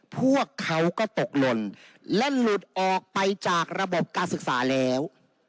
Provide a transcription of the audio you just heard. พวกเขาก็ตกหล่นและหลุดออกไปจากระบบการศึกษาแล้ว